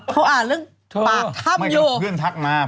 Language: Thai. เขาอ่านเรื่องปากท่ำอยู่